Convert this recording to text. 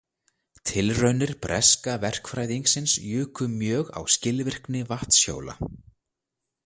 Tilraunir breska verkfræðingsins juku mjög á skilvirkni vatnshjóla.